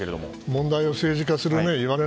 問題を政治化するいわれ